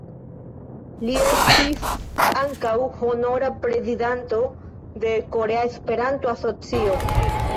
Li estis ankaŭ honora prezidanto de Korea Esperanto-Asocio.